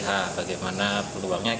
di empat kali olimpiade yang diikuti